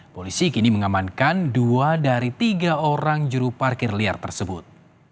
polisi kini mengamankan dua dari tiga orang juru parkir liar tersebut